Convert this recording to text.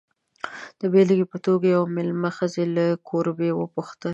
د بېلګې په توګه، یوې مېلمه ښځې له کوربې وپوښتل.